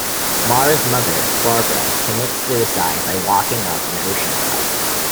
Mara's mother, Barbara, commits suicide by walking off an ocean cliff.